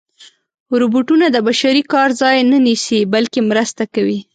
روبوټونه د بشري کار ځای نه نیسي، بلکې مرسته کوي.